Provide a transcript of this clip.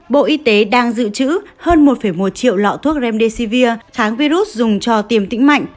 bộ y tế đang dự trữ hơn một một triệu lọ thuốc remdesivir tháng virus dùng cho tiềm tĩnh mạnh